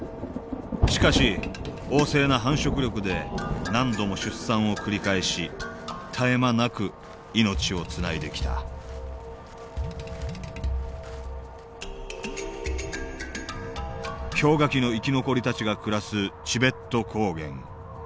しかし旺盛な繁殖力で何度も出産を繰り返し絶え間なく命をつないできた氷河期の生き残りたちが暮らすチベット高原。